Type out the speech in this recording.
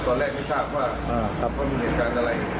ตอนแรกไม่ทราบว่ากลับมามีเหตุการณ์อะไร